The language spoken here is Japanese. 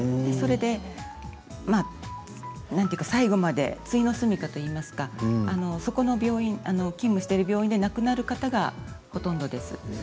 それで、最期までついの住みかといいますかそこの病院、勤務している病院で亡くなる方がほとんどです。